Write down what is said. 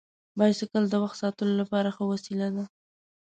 بایسکل د وخت ساتلو لپاره ښه وسیله ده.